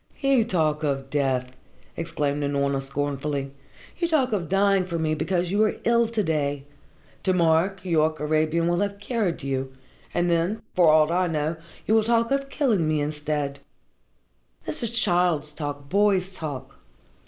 "You talk of death!" exclaimed Unorna scornfully. "You talk of dying for me because you are ill to day. To morrow, Keyork Arabian will have cured you, and then, for aught I know, you will talk of killing me instead. This is child's talk, boy's talk.